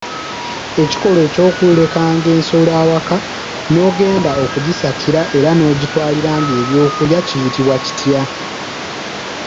Ekikolwa ky'okulekanga ensolo awaka n'ogendanga okugisakira era n'ogitwaliranga ebyokulya kiyitibwa kitya?